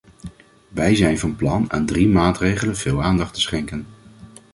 Wij zijn van plan aan drie maatregelen veel aandacht te schenken.